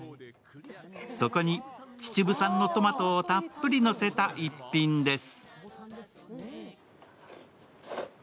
そこに秩父産のトマトをたっぷりのせた逸品です。